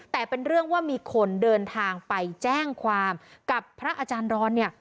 แต่เป็นเรื่องว่ามีคนเดินทางไปแจ้งความกับพระอาจารย์ร้อนเนี่ย